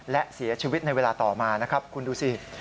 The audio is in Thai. และเสียชีวิตในเวลาต่อมานะครับคุณดูสิ